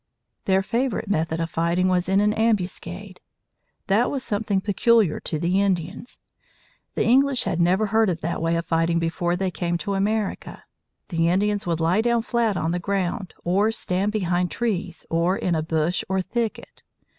Their favorite method of fighting was in an ambuscade. That was something peculiar to the Indians. The English had never heard of that way of fighting before they came to America. The Indians would lie down flat on the ground or stand behind trees or in a bush or thicket.